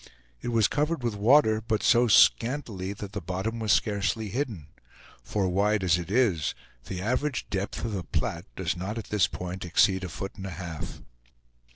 It was covered with water, but so scantily that the bottom was scarcely hidden; for, wide as it is, the average depth of the Platte does not at this point exceed a foot and a half.